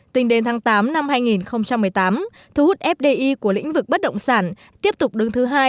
tính đến tháng tám năm hai nghìn một mươi tám thu hút fdi của lĩnh vực bất động sản tiếp tục đứng thứ hai